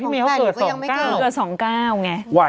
๒๘พี่เมย์เขาเกิด๒๙เกิด๒๙ไง